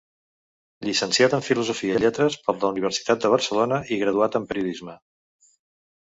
Llicenciat en Filosofia i Lletres per la Universitat de Barcelona i graduat en periodisme.